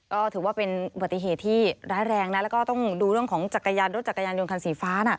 ก็ถือว่าเป็นอุบัติเหตุที่ร้ายแรงนะแล้วก็ต้องดูเรื่องของจักรยานรถจักรยานยนต์คันสีฟ้าน่ะ